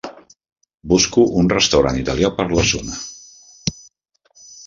Busco un restaurant italià per la zona.